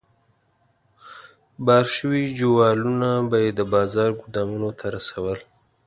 بار شوي جوالونه به یې د بازار ګودامونو ته رسول.